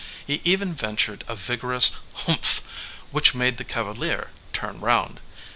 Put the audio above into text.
He even ventured a vigorous "Humph!" which made the cavalier turn round.